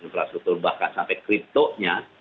infrastruktur bahkan sampai kripto nah itu makin penting